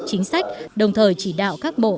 chính sách đồng thời chỉ đạo các bộ